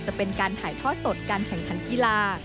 จะเป็นการถ่ายทอดสดการแข่งขันกีฬา